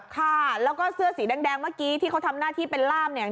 ค่ะแล้วก็เสื้อสีแดงเมื่อกี้ที่เขาทำหน้าที่เป็นล่ามเนี่ย